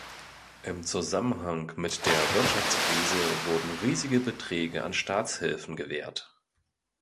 Im Zusammenhang mit der Wirtschaftskrise wurden riesige Beträge an Staatshilfen gewährt.